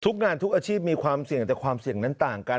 งานทุกอาชีพมีความเสี่ยงแต่ความเสี่ยงนั้นต่างกัน